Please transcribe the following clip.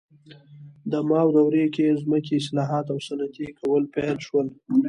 د ماو دورې کې ځمکې اصلاحات او صنعتي کول پیل شول.